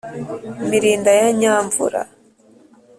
mirindi ya nyamvura